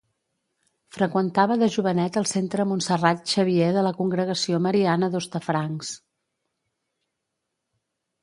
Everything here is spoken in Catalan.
Freqüentava de jovenet el centre Montserrat-Xavier de la Congregació Mariana d'Hostafrancs.